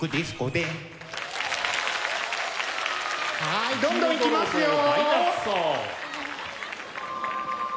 はいどんどんいきますよ。